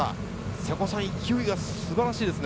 瀬古さん、勢いが素晴らしいですね。